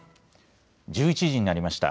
１１時になりました。